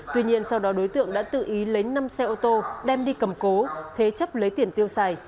tuy nhiên sau đó đối tượng đã tự ý lấy năm xe ô tô đem đi cầm cố thế chấp lấy tiền tiêu xài